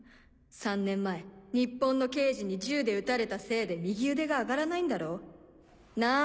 ３年前日本の刑事に銃で撃たれたせいで右腕が上がらないんだろ？なぁ